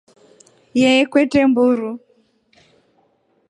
Yee kutre mburu.